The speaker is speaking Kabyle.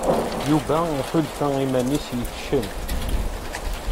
Yuba iḥulfa iman-is yefcel.